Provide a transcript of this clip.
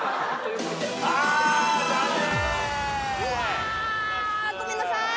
うわごめんなさい！